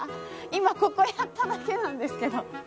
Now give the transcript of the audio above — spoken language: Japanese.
今、ここやっただけなんですけど。